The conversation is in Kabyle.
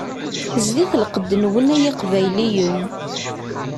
Zdit lqedd-nwen ay Iqbayliyen.